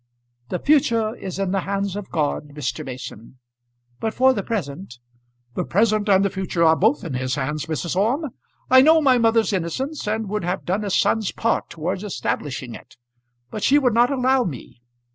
"The future is in the hands of God, Mr. Mason; but for the present " "The present and the future are both in His hands, Mrs. Orme. I know my mother's innocence, and would have done a son's part towards establishing it; but she would not allow me.